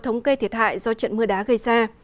thống kê thiệt hại do trận mưa đá gây ra